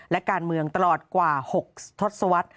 และการเมืองตลอดกว่า๖ทศวรรษ